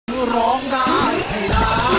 คือร้องได้ให้ล้าน